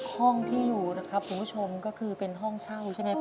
ห้องที่อยู่นะครับคุณผู้ชมก็คือเป็นห้องเช่าใช่ไหมพ่อ